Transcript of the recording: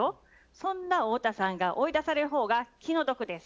そんな太田さんが追い出される方が気の毒です。